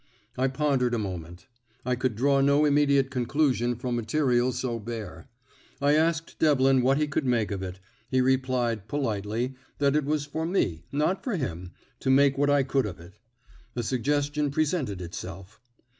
I pondered a moment; I could draw no immediate conclusion from material so bare. I asked Devlin what he could make of it; he replied, politely, that it was for me, not for him, to make what I could of it. A suggestion presented itself.